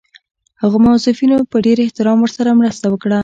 هغو موظفینو په ډېر احترام ورسره مرسته وکړه.